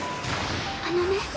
あのね